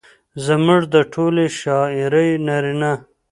زموږ د ټولې شاعرۍ نارينه